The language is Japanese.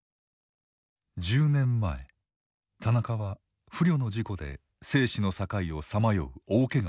１０年前田中は不慮の事故で生死の境をさまよう大けがをした。